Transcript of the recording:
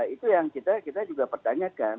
itu yang kita juga pertanyakan